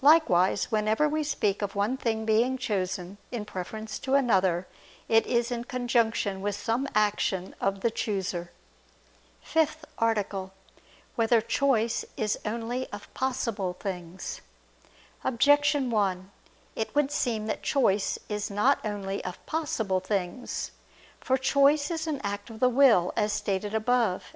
Likewise, whenever we speak of one thing being chosen in preference to another, it is in conjunction with some action of the chooser. ________________________ FIFTH ARTICLE [I II, Q. 13, Art. 5] Whether Choice Is Only of Possible Things? Objection 1: It would seem that choice is not only of possible things. For choice is an act of the will, as stated above (A.